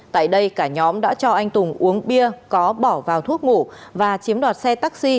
tại đây cả nhóm đã cho anh tùng uống bia có bỏ vào thuốc ngủ và chiếm đoạt xe taxi